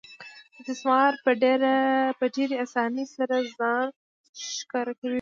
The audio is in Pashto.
استثمار په ډېرې اسانۍ سره ځان ښکاره کوي